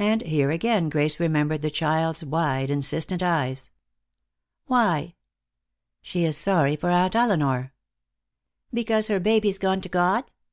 And here again Grace remembered the child's wide, insistent eyes. "Why?" "She is sorry for Aunt Elinor." "Because her baby's gone to God?